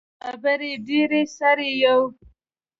خبرې ډیرې، سر یی یو